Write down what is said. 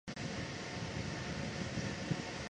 短促京黄芩为唇形科黄芩属下的一个变种。